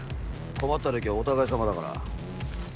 困ったときはお互いさまだから。